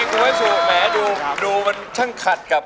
เพื่อจะไปชิงรางวัลเงินล้าน